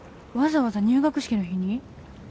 わざわざ入学式の日に？